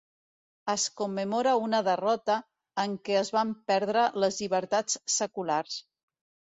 Es commemora una derrota en què es van perdre les llibertats seculars.